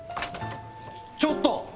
ちょっと！